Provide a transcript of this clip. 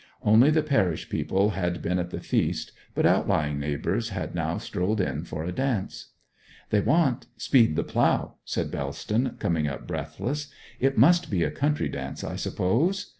Only the parish people had been at the feast, but outlying neighbours had now strolled in for a dance. 'They want "Speed the Plough,"' said Bellston, coming up breathless. 'It must be a country dance, I suppose?